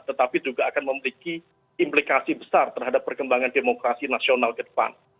tetapi juga akan memiliki implikasi besar terhadap perkembangan demokrasi nasional ke depan